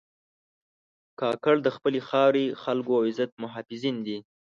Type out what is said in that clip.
کاکړ د خپلې خاورې، خلکو او عزت محافظین دي.